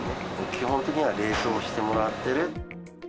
基本的には冷凍してもらってる。